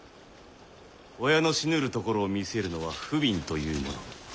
親の死ぬるところを見せるのは不憫というもの。